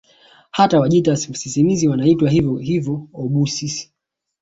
Hata Wajita sisimizi wanaitwa hivyo hivyo obhusisi